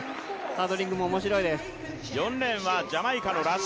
ハードリングも面白いです。